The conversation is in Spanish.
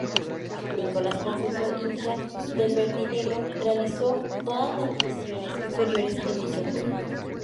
Nicolás, confeso hincha del verdinegro, realizó todas las divisiones inferiores en dicho club.